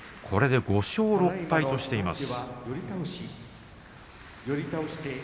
これで５勝６敗としています。